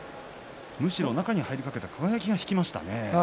むしろ中に入りかけた輝が引きましたね。